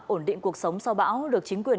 ổn định cuộc sống sau bão được chính quyền